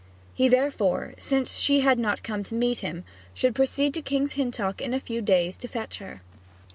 He therefore, since she had not come to meet him, should proceed to King's Hintock in a few days to fetch her.